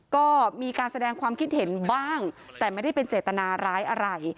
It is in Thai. ก็มีการแสดงความคิดเห็นบ้างแต่ไม่ได้เป็นเจตนาร้ายอะไร